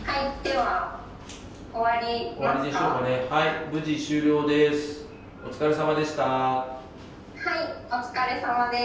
はいお疲れさまです。